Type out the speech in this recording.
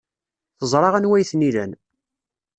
Teẓra anwa ay ten-ilan.